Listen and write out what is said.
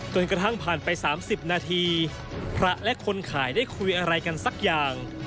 กระทั่งผ่านไป๓๐นาทีพระและคนขายได้คุยอะไรกันสักอย่าง